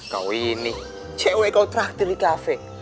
kau ini cewek kau traktir di kafe